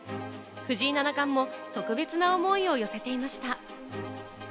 藤井七冠も特別な思いを寄せていました。